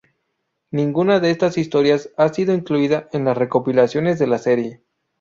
Ninguna de estas historias ha sido incluida en las recopilaciones de la serie.